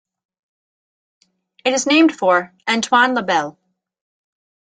It is named for Antoine Labelle.